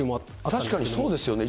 確かにそうですよね。